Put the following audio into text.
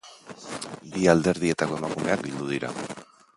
Bi alderdietako emakumeak bildu dira.